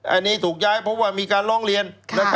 อันนี้ถูกย้ายเพราะว่ามีการร้องเรียน